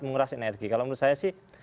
menguras energi kalau menurut saya sih